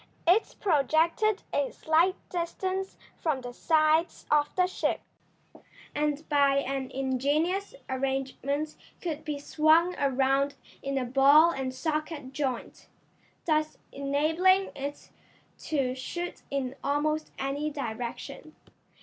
It projected a slight distance from the sides of the ship, and by an ingenious arrangement could be swung around in a ball and socket joint, thus enabling it to shoot in almost any direction.